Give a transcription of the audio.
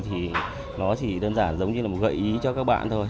thì nó chỉ đơn giản giống như là một gợi ý cho các bạn thôi